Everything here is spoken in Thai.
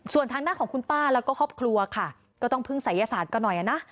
ส่วนทางด้านของคุณป้าแล้วก็ครอบครัวค่ะก็ต้องพึ่งศัยศาสตร์ก็หน่อยนะ